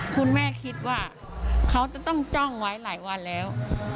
คุณแม่คิดว่าเขาจะต้องจ้องไว้หลายวันแล้ว